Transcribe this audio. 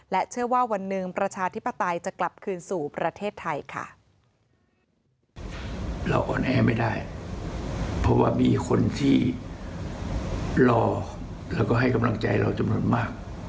เชื่อว่าวันหนึ่งประชาธิปไตยจะกลับคืนสู่ประเทศไทยค่ะ